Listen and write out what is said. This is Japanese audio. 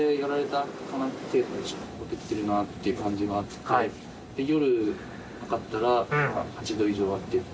ほてってるなって感じがあって、夜測ったら３８度以上あって。